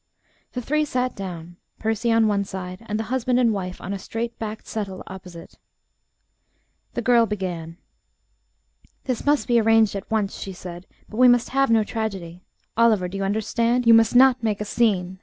The three sat down, Percy on one side, and the husband and wife on a straight backed settle opposite. The girl began again. "This must be arranged at once," she said, "but we must have no tragedy. Oliver, do you understand? You must not make a scene.